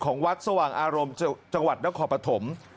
วัดสว่างอารมณ์จังหวัดนครปฐม